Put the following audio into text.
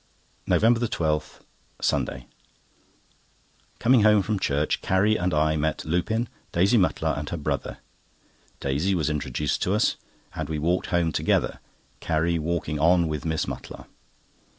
NOVEMBER 12, Sunday.—Coming home from church Carrie and I met Lupin, Daisy Mutlar, and her brother. Daisy was introduced to us, and we walked home together, Carrie walking on with Miss Mutlar.